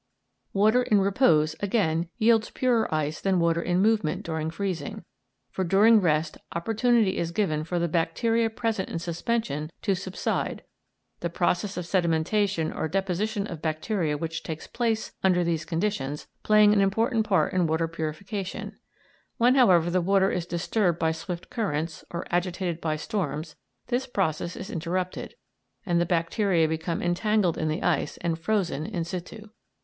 Water in repose, again, yields purer ice than water in movement during freezing, for during rest opportunity is given for the bacteria present in suspension to subside, the process of sedimentation or deposition of bacteria which takes place under these conditions playing an important part in water purification; when, however, the water is disturbed by swift currents, or agitated by storms, this process is interrupted, and the bacteria become entangled in the ice and frozen in situ.